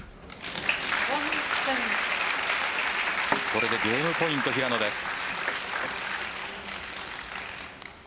これでゲームポイント平野です。